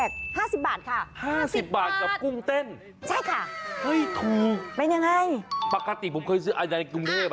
ใช่ค่ะเป็นยังไงปกติผมเคยซื้ออันใดกรุงเทพฯ